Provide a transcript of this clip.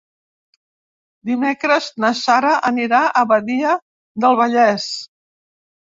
Dimecres na Sara anirà a Badia del Vallès.